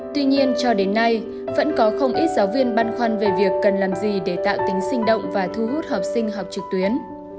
tuy nhiên cho đến nay vẫn có không ít giáo viên băn khoăn về việc cần làm gì để tạo tính sinh động và thu hút học sinh học trực tuyến